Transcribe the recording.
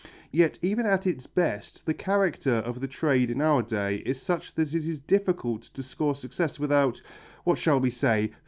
Yet even at its best the character of the trade in our day is such that it is difficult to score success without what shall we say?